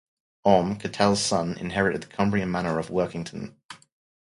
Orm, Ketel's son, inherited the Cumbrian manor of Workington.